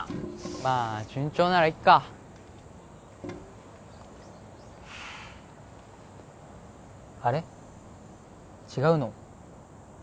まあ順調ならいっかあれ？違うの？